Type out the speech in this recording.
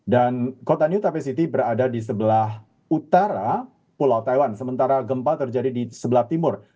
dan kota new taipei city berada di sebelah utara pulau taiwan sementara gempa terjadi di sebelah timur